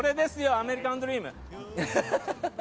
アメリカンドリーム！